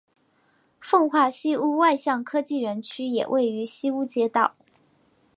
奉化西坞外向科技园区也位于西坞街道。